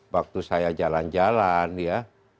waktu saya jalan jalan ya